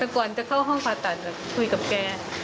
แต่ก่อนจะเข้าห้องผ่าตัดคุยกับแก